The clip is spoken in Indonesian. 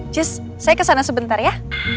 jus saya kesana sebentar ya